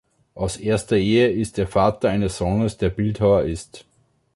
Aus erster Ehe ist er Vater eines Sohnes, der Bildhauer ist.